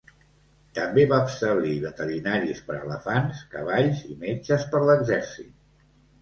També va establir veterinaris per elefants, cavalls i metges per l'exèrcit.